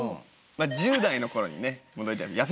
まあ１０代の頃にね戻りたい。